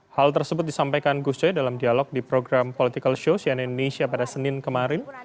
hal tersebut disampaikan gus coy dalam dialog di program political show cnn indonesia pada senin kemarin